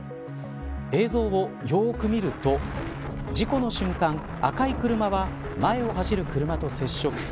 映像をよく見ると事故の瞬間赤い車は、前を走る車と接触。